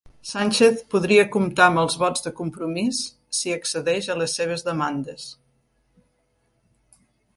Sánchez podria comptar amb els vots de Compromís si accedeix a les seves demandes